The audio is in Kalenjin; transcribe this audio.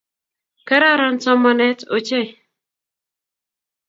Kararan somanet ochei